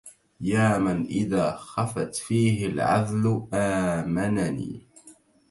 يا من إذا خفت فيه العذل آمنني